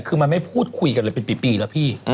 คือมันไม่พูดคุยกันเลยเป็นปีแล้วพี่